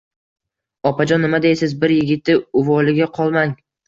— Opajon, nima deysiz? Bir yigitti uvoliga qolmang!..